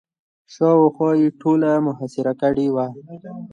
شاوخوا یې ټوله محاصره کړې وه.